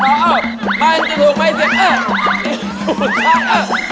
มันที่รูคไม่เสีย